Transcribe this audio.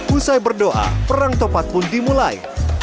usai berdoa perang topat pun dimulai